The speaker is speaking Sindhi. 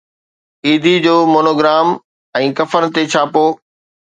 ايڌي جو مونوگرام ۽ ڪفن تي ڇاپو